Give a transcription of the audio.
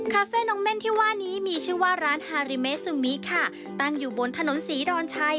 แฟนกเม่นที่ว่านี้มีชื่อว่าร้านฮาริเมซูมิค่ะตั้งอยู่บนถนนศรีดอนชัย